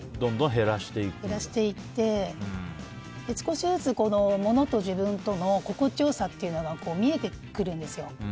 減らしていって少しずつ物と自分との心地良さというのが見えてくるんですよ。